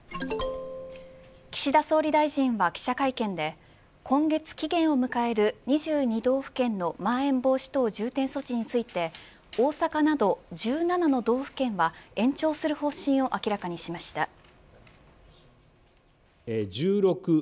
岸田総理大臣は記者会見で今月期限を迎える２２道府県のまん延防止等重点措置について大阪など１７の道府県は延長する方針を明らかにしました。